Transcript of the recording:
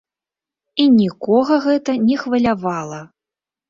І нікога гэта не хвалявала!